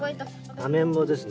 アメンボですね。